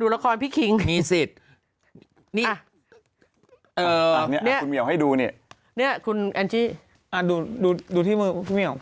ดูที่มือพี่เมียว